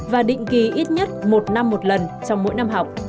và định kỳ ít nhất một năm một lần trong mỗi năm học